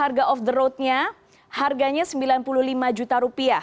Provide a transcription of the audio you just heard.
harga off the roadnya harganya rp sembilan puluh lima juta